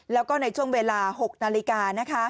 แล้วก็ในช่วงเวลา๖นาฬิกา